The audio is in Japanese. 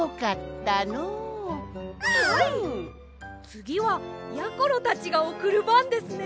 つぎはやころたちがおくるばんですね！